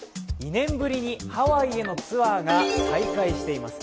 ２年ぶりにハワイへのツアーが再開しています。